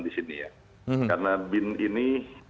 di sini ya karena bin ini